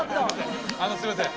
あのすいません。